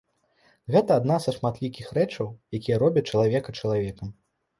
Гэта адна са шматлікіх рэчаў, якія робяць чалавека чалавекам.